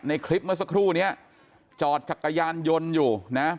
คลิปเมื่อสักครู่นี้จอดจักรยานยนต์อยู่นะ